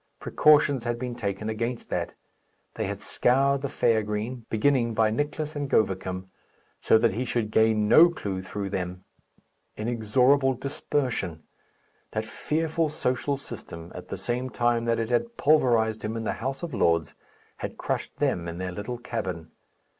Precautions had been taken against that. They had scoured the fair green, beginning by Nicless and Govicum, so that he should gain no clue through them. Inexorable dispersion! That fearful social system, at the same time that it had pulverized him in the House of Lords, had crushed them in their little cabin.